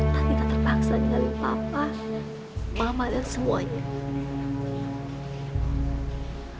tapi tak terpaksa tinggalin papa mama dan semuanya